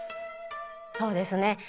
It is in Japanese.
そうですね。